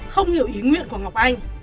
không hiểu ý nguyện của ngọc anh